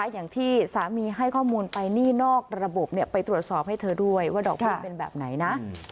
อย่างที่สามีให้ข้อมูลไปหนี้นอกระบบไปตรวจสอบให้เธอด้วยว่าดอกเบี้ยเป็นแบบไหนนะ